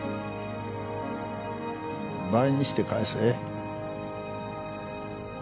倍にして返せ。